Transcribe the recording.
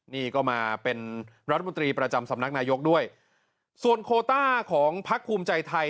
นี่ก็มาเป็นรัฐมนตรีประจำสำนักนายกด้วยส่วนโคต้าของพักภูมิใจไทย